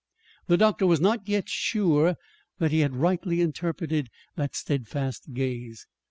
The doctor was not sure yet that he had rightly interpreted that steadfast gaze.